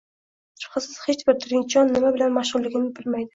Shubhasiz, hech bir tirik jon nima bilan mashg`ulligimni bilmaydi